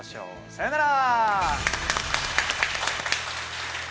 さようなら！